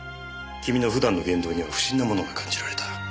君の普段の言動には不審なものが感じられた。